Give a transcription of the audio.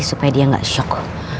supaya dia gak shock